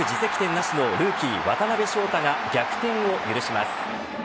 なしのルーキー渡辺翔太が逆転を許します。